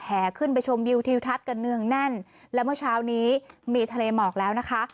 ขึ้นไปชมวิวทิวทัศน์กันเนืองแน่นและเมื่อเช้านี้มีทะเลหมอกแล้วนะคะ